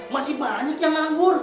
masih banyak yang nganggur